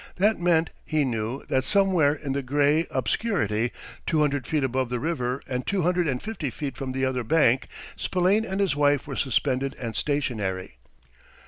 That meant, he knew, that somewhere in the gray obscurity, two hundred feet above the river and two hundred and fifty feet from the other bank, Spillane and his wife were suspended and stationary.